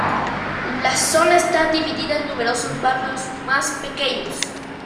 La zona está dividida en numerosos barrios más pequeños.